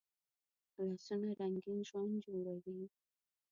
لاسونه رنګین ژوند جوړوي